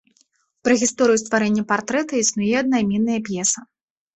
Пра гісторыю стварэння партрэта існуе аднайменная п'еса.